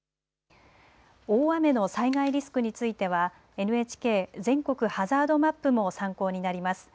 大雨の災害リスクについてはＮＨＫ全国ハザードマップも参考になります。